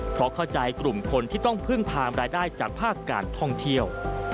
เพราะเข้าใจกลุ่มคนที่ต้องพึ่งพามรายได้จากภาคการท่องเที่ยว